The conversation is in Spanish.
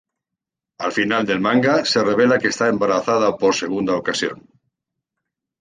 Al final del manga, se revela que está embarazada por segunda ocasión.